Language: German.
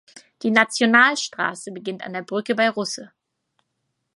Die Nationalstraße beginnt an der Brücke bei Russe.